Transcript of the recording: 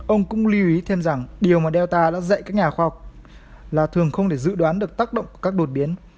ông cũng lưu ý thêm rằng điều mà delta đã dạy các nhà khoa học là thường không thể dự đoán được tác động của các đột biến